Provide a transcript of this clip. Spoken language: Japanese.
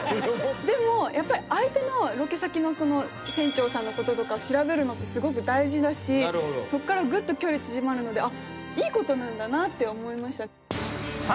でも相手のロケ先の船長さんのこととか調べるのってすごく大事だしそっからぐっと距離縮まるのでいいことなんだなって思いました。